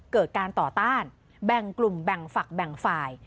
เกิดการต่อต้านแบ่งกลุ่มแบ่งฝักแบ่งฝ่าย